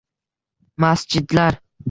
Masjidlar.